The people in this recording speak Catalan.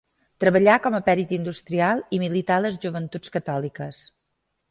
Treballà com a perit industrial i milità a les Joventuts Catòliques.